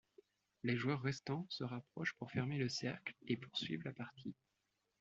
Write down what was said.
Les joueurs restants se rapprochent pour fermer le cercle et poursuivre la partie.